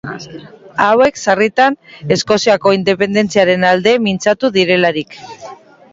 Hauek sarritan Eskoziako independentziaren alde mintzatu direlarik.